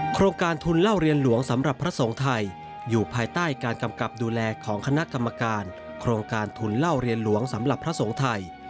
โครงการทุนเล่าเรียนหลวงสำหรับพระสงฆ์ไทยอยู่ภายใต้การกำกับดูแลของคณะกรรมการโครงการทุนเล่าเรียนหลวงสำหรับพระสงฆ์ไทย